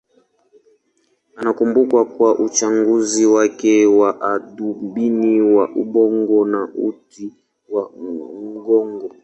Anakumbukwa kwa uchunguzi wake wa hadubini wa ubongo na uti wa mgongo.